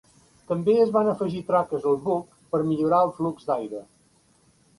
També es van afegir traques al buc per millorar el flux d'aire.